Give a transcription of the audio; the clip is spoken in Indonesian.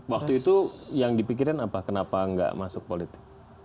waktu itu yang dipikirin apa kenapa nggak masuk politik